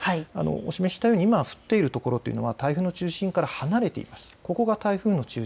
お示ししたように今降っているところというのは台風の中心から離れています。